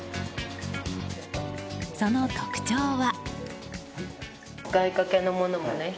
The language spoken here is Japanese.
その特徴は。